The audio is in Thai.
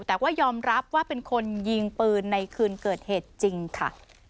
แต่ว่ายอมรับว่าเป็นคนยิงปืนในคืนเกิดเหตุจริงค่ะ